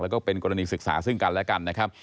แล้วก็เป็นกรณีศึกษาซึ่งกันและกันนะครับ